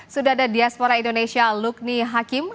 sudah ada diaspora indonesia lukni hakim